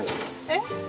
えっ？